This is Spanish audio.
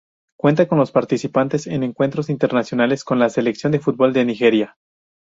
Cuenta con participaciones en encuentros internacionales con la selección de fútbol de Nigeria.